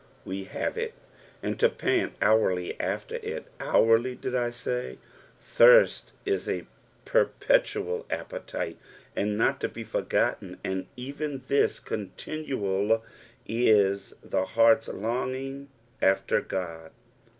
we have it, and to pant hourly afler it — hourly, did 1 sav ? thirst is a perpetual appetite, and not to bo forgotten, and even thus contioual is the heart's longing after God.